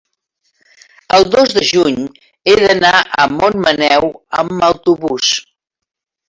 el dos de juny he d'anar a Montmaneu amb autobús.